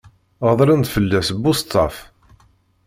Γeḍlen-d fell-as buseṭṭaf.